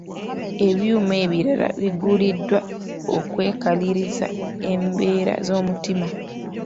Ebyuma ebirala biguliddwa okwekaliriza embeera z'omutima.